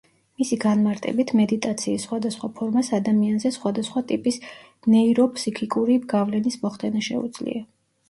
მისი განმარტებით, მედიტაციის სხვადასხვა ფორმას ადამიანზე სხვადასხვა ტიპის ნეიროფსიქიკური გავლენის მოხდენა შეუძლია.